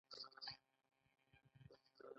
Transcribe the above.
پیسې په خپل سر اضافي ارزښت له ځان سره نه راوړي